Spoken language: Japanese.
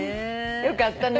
よかったね。